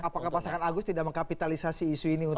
apakah pasangan agus tidak mengkapitalisasi isu ini untuk